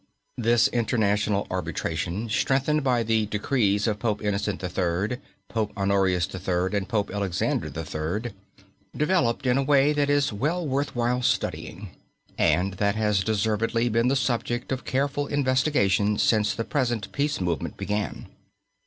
This international arbitration, strengthened by the decrees of Pope Innocent III., Pope Honorius III. and Pope Alexander III., developed in a way that is well worth while studying, and that has deservedly been the subject of careful investigation since the present peace movement began.